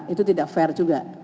itu tidak fair juga